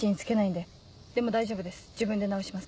でも大丈夫です